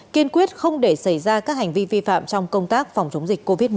kiên quyết không để xảy ra các hành vi vi phạm trong công tác phòng chống dịch covid một mươi chín